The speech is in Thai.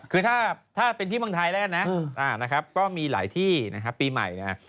คือถ้าเป็นที่เมืองไทยแล้วกันนะนะครับก็มีหลายที่นะครับปีใหม่นะฮะ